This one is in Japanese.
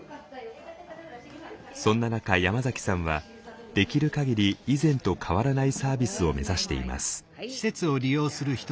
そんな中山崎さんはできる限り以前と変わらないサービスを目指しています。